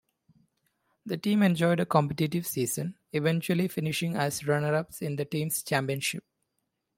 The team enjoyed a competitive season, eventually finishing as runners-up in the teams' championship.